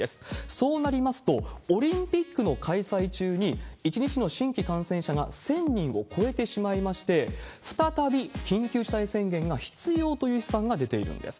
そうなりますと、オリンピックの開催中に１日の新規感染者が１０００人を超えてしまいまして、再び緊急事態宣言が必要という試算が出ているんです。